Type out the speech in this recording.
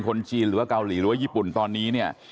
คนจีนหรือว่าเกาหลีหรือว่าญี่ปุ่นตอนนี้เนี่ย